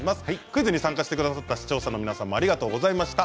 クイズに参加してくださった視聴者の皆さんもありがとうございました。